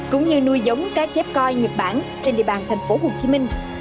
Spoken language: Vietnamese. cũng như nuôi giống cá chép coi nhật bản trên địa bàn thành phố hồ chí minh